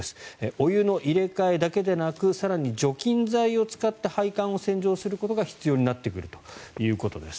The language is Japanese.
お湯の入れ替えだけでなく更に除菌剤を使って配管を洗浄することが必要になってくるということです。